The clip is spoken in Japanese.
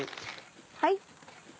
はい。